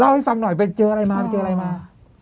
เล่าให้ซับหน่อยเจออะไรมา